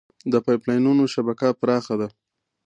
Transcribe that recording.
د پایپ لاینونو شبکه پراخه ده.